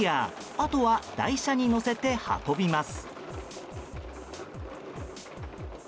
あとは台車に載せて運びます。